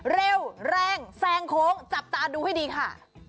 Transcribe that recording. เร็วแรงแซงโค้งจับตาดูให้ดีค่ะ